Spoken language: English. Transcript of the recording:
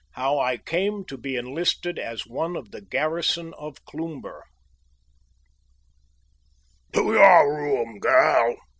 HOW I CAME TO BE ENLISTED AS ONE OF THE GARRISON OF CLOOMBER "To your room, girl!"